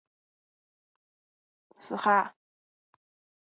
成化十二年改为寻甸府。